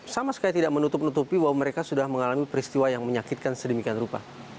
sama sekali tidak menutup nutupi bahwa mereka sudah mengalami peristiwa yang menyakitkan sedemikian rupa